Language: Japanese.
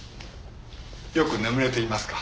よく眠れていますか？